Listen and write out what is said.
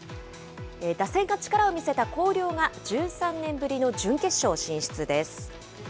打線が力を見せた広陵が１３年ぶりの準決勝進出です。